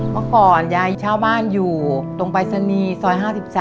เมื่อก่อนยายชาวบ้านอยู่ตรงไปรษณีย์ซอย๕๓